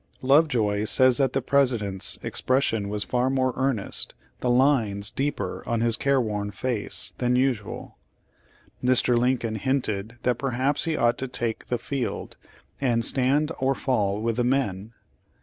Lovejoy says that the Presi dent's "expression was more earnest; the lines deeper on his care worn face," than usual. Mr. Lincoln hinted that perhaps he ought to take the field, and "stand or fall with the men."